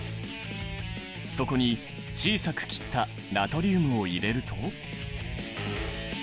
そこに小さく切ったナトリウムを入れると。